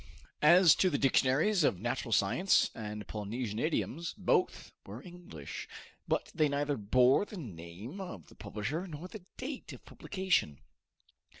As to the dictionaries of natural science and Polynesian idioms, both were English; but they neither bore the name of the publisher nor the date of publication.